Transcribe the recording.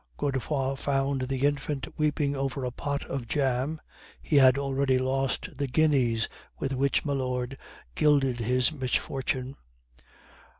Godefroid found the infant weeping over a pot of jam (he had already lost the guineas with which milord gilded his misfortune).